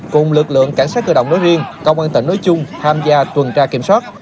cùng lực lượng cảnh sát cơ động nói riêng công an tỉnh nói chung tham gia tuần tra kiểm soát